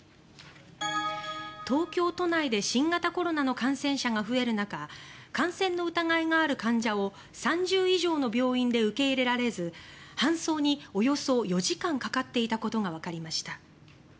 東京都内で新型コロナの感染者が増える中感染の疑いがある患者を３０以上の病院で受け入れられず搬送におよそ４時間かかっていたことがわかりました。